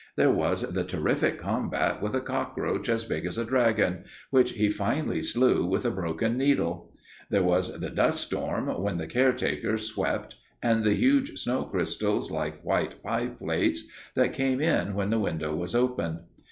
There was the terrific combat with a cockroach as big as a dragon, which he finally slew with a broken needle! There was the dust storm, when the care taker swept, and the huge snow crystals like white pie plates, that came in when the window was opened.